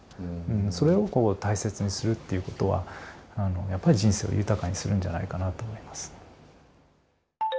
それをこう大切にするっていうことはやっぱり人生を豊かにするんじゃないかなと思います。